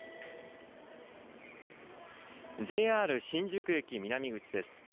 ＪＲ新宿駅南口です。